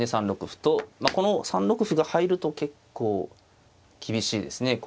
３六歩とこの３六歩が入ると結構厳しいですね。